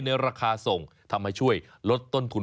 ราคาส่งทำให้ช่วยลดต้นทุน